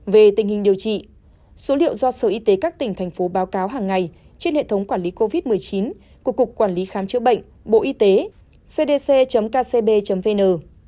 về tình hình điều trị số liệu do sở y tế các tỉnh thành phố báo cáo hàng ngày trên hệ thống quản lý covid một mươi chín của cục quản lý khám chữa bệnh bộ y tế cdc kcb vn